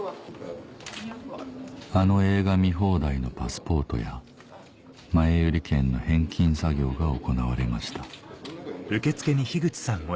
あの映画見放題のパスポートや前売り券の返金作業が行われましたどうぞ。